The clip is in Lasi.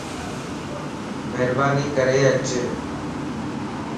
مھرباني ڪري اچ